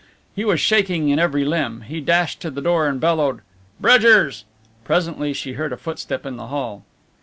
He was shaking in every limb. He dashed to the door and bellowed "Bridgers!" Presently she heard a footstep in the hall.